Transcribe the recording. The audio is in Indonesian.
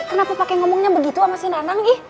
kenapa pakai ngomongnya begitu sama si nanang ih